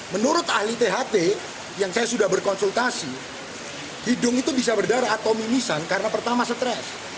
menurut ahli tht yang saya sudah berkonsultasi hidung itu bisa berdarah atau mimisan karena pertama stres